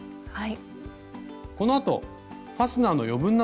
はい。